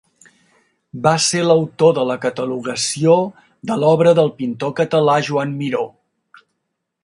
Va ser l'autor de la catalogació de l'obra del pintor català Joan Miró.